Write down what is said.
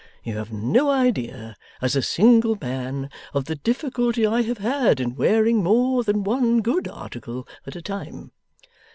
You have no idea, as a single man, of the difficulty I have had in wearing more than one good article at a time.